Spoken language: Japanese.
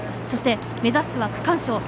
そして、目指すは区間賞。